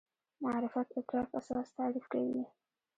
معرفت ادراک اساس تعریف کوي.